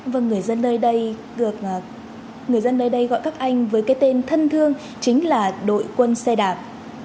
vâng người dân nơi đây gọi các anh với cái tên thân thương chính là đội quân xe đạp